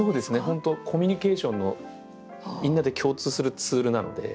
本当コミュニケーションのみんなで共通するツールなので。